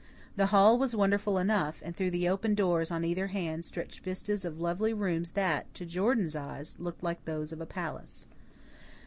The hall was wonderful enough, and through the open doors on either hand stretched vistas of lovely rooms that, to Jordan's eyes, looked like those of a palace.